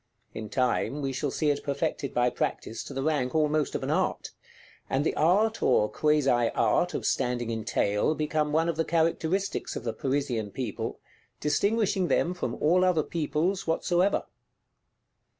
In time, we shall see it perfected by practice to the rank almost of an art; and the art, or quasi art, of standing in tail become one of the characteristics of the Parisian People, distinguishing them from all other Peoples whatsoever.